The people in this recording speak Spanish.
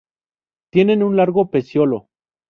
Tienen un largo peciolo.